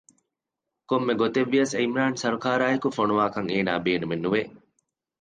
ކޮންމެ ގޮތެއްވިޔަސް ޢިމްރާން ސަރާއާއެކު ފޮނުވާކަށް އޭނާ ބޭނުމެއް ނުވެ